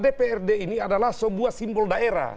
dprd ini adalah sebuah simbol daerah